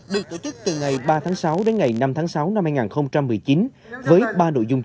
được tổ chức từ ngày ba tháng sáu đến ngày năm tháng sáu năm hai nghìn một mươi chín với ba nội dung thi điều lệnh võ thuật bắn súng